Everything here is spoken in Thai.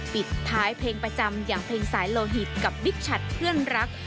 ปิดท้ายเพลงประจำอย่างเพลงสายโลหิตกับบิ๊กชัดเพื่อนรัก